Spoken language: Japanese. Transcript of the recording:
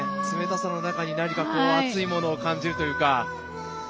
冷たさの中に何か、熱いものを感じるというか。